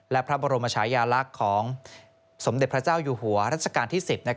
และพระบรมชายาลักษณ์ของสมเด็จพระเจ้าอยู่หัวรัชกาลที่๑๐